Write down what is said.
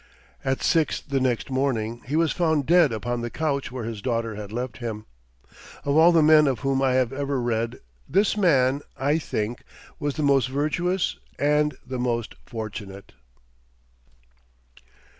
At six the next morning he was found dead upon the couch where his daughter had left him. Of all the men of whom I have ever read, this man, I think, was the most virtuous and the most fortunate.